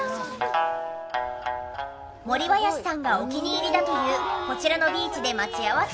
もりばやしさんがお気に入りだというこちらのビーチで待ち合わせ。